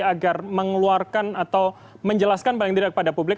agar mengeluarkan atau menjelaskan paling tidak kepada publik